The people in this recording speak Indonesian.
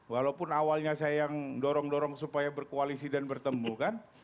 walaupun awalnya saya yang dorong dorong supaya berkoalisi dan bertemu kan